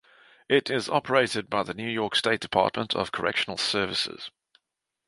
It is operated by the New York State Department of Correctional Services.